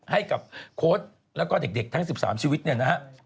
ให้กับโค้ดแล้วก็เด็กทั้ง๑๓ชีวิตเนี่ยนะฮะ